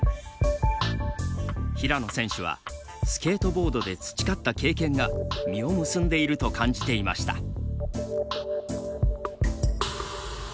平野選手はスケートボードで培った経験が実を結んでいると感じていました。